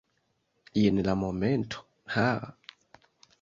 Jen la momento! Haa!